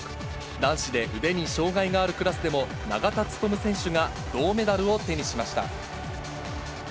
男子で腕に障がいがあるクラスでも、永田務選手が銅メダルを手にしました。